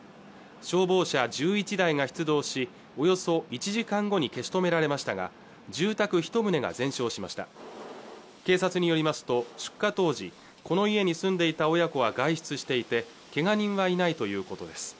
消防車１１台が出動しおよそ１時間後に消し止められましたが住宅一棟が全焼しました警察によりますと出火当時この家に住んでいた親子は外出していてけが人はいないということです